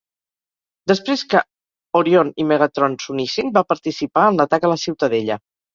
Després que Orion i Megatron s'unissin, va participar en l'atac a la Ciutadella.